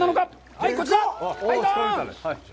はい、こちら、ドン！